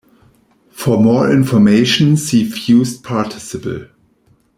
For more information see fused participle.